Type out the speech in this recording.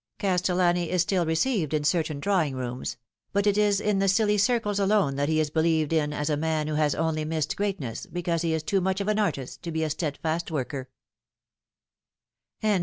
Castellani is still received in certain drawing rooms ; but it is in the silly circles alone that he is believed in as a man who has only missed greatness because he ia too much of an artist to be a steadfast THE END.